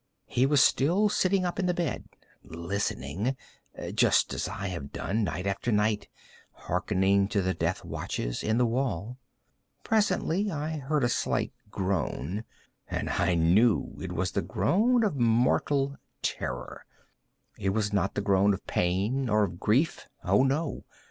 He was still sitting up in the bed listening;—just as I have done, night after night, hearkening to the death watches in the wall. Presently I heard a slight groan, and I knew it was the groan of mortal terror. It was not a groan of pain or of grief—oh, no!